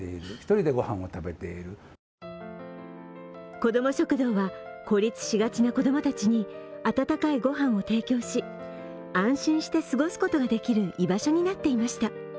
こども食堂は孤立しがちな子どもたちに温かい御飯を提供し、安心して過ごすことができる居場所になっていました。